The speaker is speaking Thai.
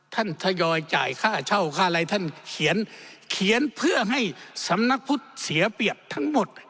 ทยอยจ่ายค่าเช่าค่าอะไรท่านเขียนเขียนเพื่อให้สำนักพุทธเสียเปรียบทั้งหมด